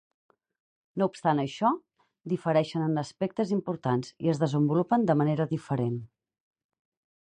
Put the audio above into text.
No obstant això, difereixen en aspectes importants i es desenvolupen de manera diferent.